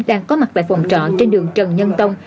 đang có mặt tại phòng trọ trên đường trần nhân tông